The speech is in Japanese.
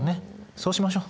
そうしましょう。